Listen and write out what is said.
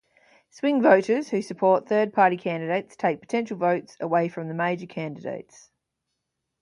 Swing voters who support third-party candidates take potential votes away from the major candidates.